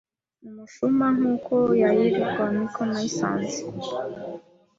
Umushuma: Nk’uko yaiawiraga ni ko naisanze